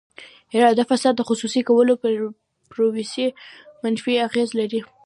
اداري فساد د خصوصي کولو پروسې منفي اغېز لري.